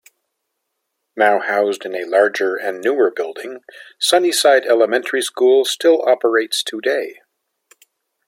Now housed in a larger and newer building, Sunnyside Elementary School still operates today.